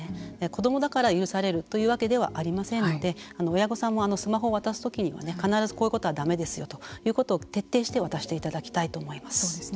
子どもだから許されるというわけではありませんので親御さんもスマホを渡すときには必ずこういうことはだめですよということを徹底して渡していただきたいと思います。